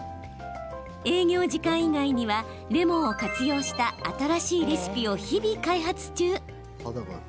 営業時間以外にはレモンを活用した新しいレシピを日々、開発中。